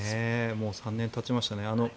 もう３年たちましたね。